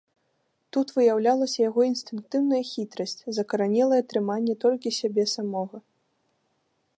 Тут выяўлялася яго інстынктыўная хітрасць, закаранелае трыманне толькі сябе самога.